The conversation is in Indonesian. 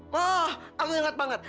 maah aku inget banget